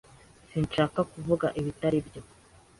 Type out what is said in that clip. Sinshaka kuvuga ibitari byo.